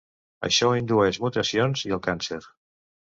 Això indueix mutacions i el càncer.